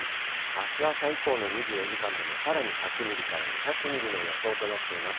あす朝以降の２４時間でもさらに１００ミリから２００ミリの予想となっています。